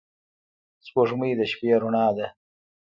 سپوږمۍ د شپې رڼا ده